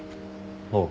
おう。